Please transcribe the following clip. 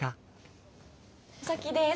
お先です。